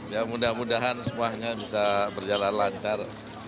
ya mudah mudahan semuanya bisa berjalan lancar